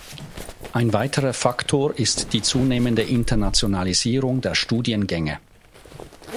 Ein weiterer Faktor ist die zunehmende Internationalisierung der Studiengänge.